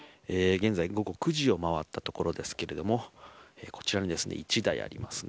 現在、午後９時を回ったところですけどこちらに１台あります。